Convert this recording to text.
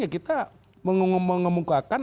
ya kita mengemukakan